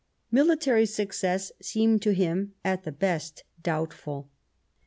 Military success seemed to him at the best doubtful.